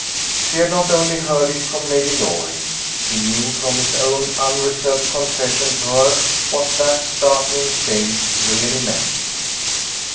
She had not only heard it from Lady Loring, she knew from his own unreserved confession to her what that startling change really meant.